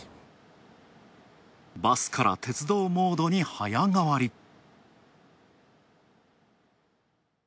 バスから鉄道モードにはやがわり。